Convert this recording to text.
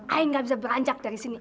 aku gak bisa beranjak dari sini